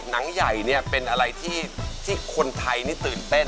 หนังใหญ่เนี่ยเป็นอะไรที่คนไทยนี่ตื่นเต้น